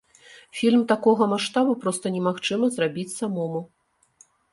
Фільм такога маштабу проста немагчыма зрабіць самому.